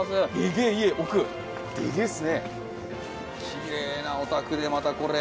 きれいなお宅でまたこれ。